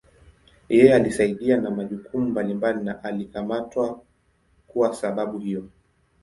Yeye alisaidia na majukumu mbalimbali na alikamatwa kuwa sababu hiyo.